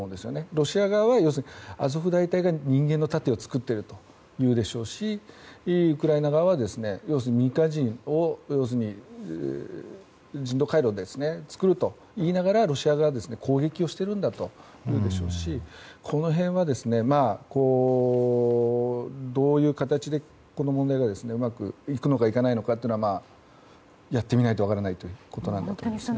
ロシア側は、アゾフ大隊で人間の盾を作っていると言うでしょうし、ウクライナ側は人道回廊で作ると言いながらロシア側は攻撃をしているんだと言うでしょうしこの辺は、どういう形でこの問題がうまくいくのか、いかないのかはやってみないと分からないことだと思います。